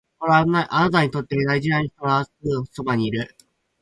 ほら、あなたにとって大事な人ほどすぐそばにいるの